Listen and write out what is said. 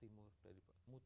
inilah gunanya tol laut